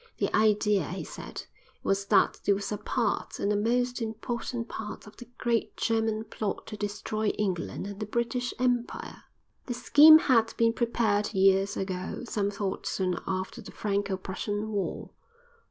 The idea, he said, was that this was a part, and a most important part, of the great German plot to destroy England and the British Empire. The scheme had been prepared years ago, some thought soon after the Franco Prussian War.